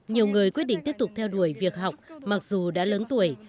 nhiều người quyết định tiếp tục theo đuổi việc học mặc dù đã lớn tuổi